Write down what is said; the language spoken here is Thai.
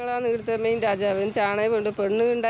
โภชนาการการศึกษาและสาธารณสุขนอกจากนี้ผู้หญิงยังถูกคาดหวังให้